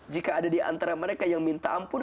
jika ada diantara mereka yang minta ampun